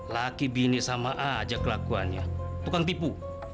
laki bini sama aja kelakuannya tukang pipu